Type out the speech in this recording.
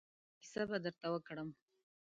يوه کيسه به درته وکړم.